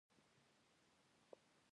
جُوجُو تر لاس ونيو: